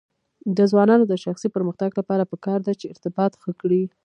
د ځوانانو د شخصي پرمختګ لپاره پکار ده چې ارتباط ښه کړي.